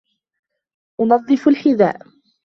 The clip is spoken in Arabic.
أُنَظِّفُ الْحِذاءَ.